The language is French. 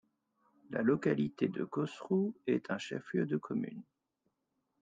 La localité de Cosrou est un chef-lieu de commune.